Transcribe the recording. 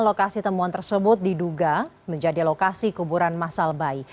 lokasi temuan tersebut diduga menjadi lokasi kuburan masal bayi